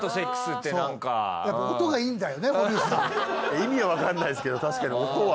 意味はわかんないですけど確かに音は。